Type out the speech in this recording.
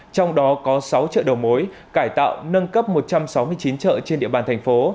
trong đó có sáu chợ đầu mối cải tạo nâng cấp một trăm sáu mươi chín chợ trên địa bàn thành phố